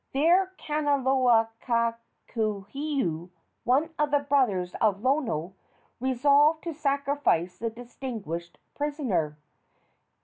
There Kanaloa kakulehu, one of the brothers of Lono, resolved to sacrifice the distinguished prisoner.